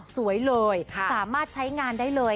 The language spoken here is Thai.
สวยเลยสามารถใช้งานได้เลย